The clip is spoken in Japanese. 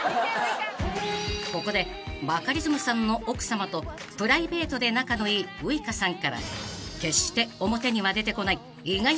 ［ここでバカリズムさんの奥さまとプライベートで仲のいいウイカさんから決して］